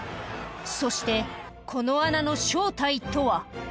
そしてこの穴の正体とは？